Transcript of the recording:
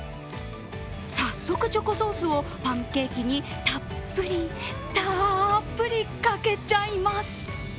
早速チョコソースをパンケーキにたっぷりたーっぷりかけちゃいます。